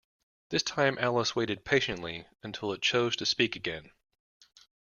This time Alice waited patiently until it chose to speak again.